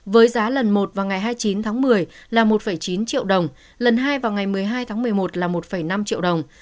với giá lần một vào ngày hai mươi chín tháng một mươi là một chín triệu đồng lần hai vào ngày một mươi hai tháng một mươi một là một năm triệu đồng